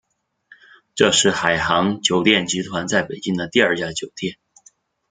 这是海航酒店集团在北京的第二家酒店。